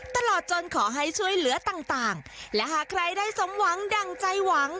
ตลอดจนขอให้ช่วยเหลือต่างและหากใครได้สมหวังดั่งใจหวัง